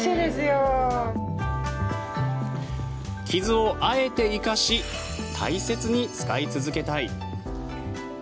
傷をあえて生かし大切に使い続けたい。